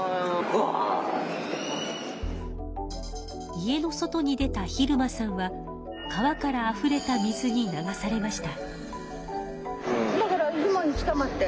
家の外に出た晝間さんは川からあふれた水に流されました。